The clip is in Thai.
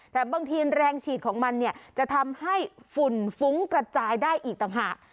แต่บางทีแรงฉีดของมันเนี่ยจะทำให้ฝุ่นฟุ้งกระจายได้อีกต่างหาก